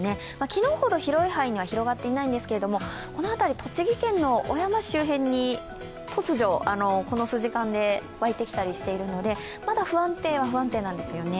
昨日ほど広い範囲には広がっていないんですけれども、この辺り、栃木県の小山市周辺に突如、この数時間で沸いてきたりしているのでまだ不安定は不安定なんですよね。